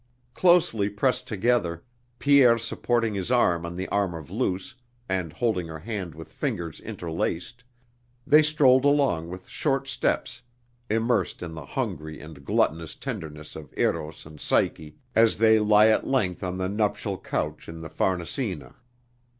Closely pressed together, Pierre supporting his arm on the arm of Luce and holding her hand with fingers interlaced, they strolled along with short steps immersed in the hungry and gluttonous tenderness of Eros and Psyche as they lie at length on the nuptial couch in the Farnesina.